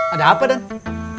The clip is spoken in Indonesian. ada apa dhani